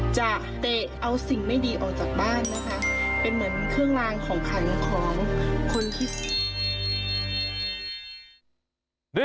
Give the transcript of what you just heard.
เตะเอาสิ่งไม่ดีออกจากบ้านนะคะเป็นเหมือนเครื่องลางของขันของคนที่